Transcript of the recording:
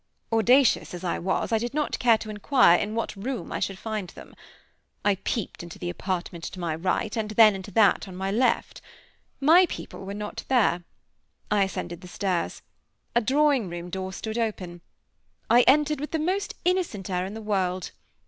Audacious as I was, I did not care to inquire in what room I should find them. I peeped into the apartment to my right, and then into that on my left. My people were not there. I ascended the stairs. A drawing room door stood open. I entered with the most innocent air in the world.